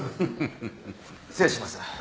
・失礼します。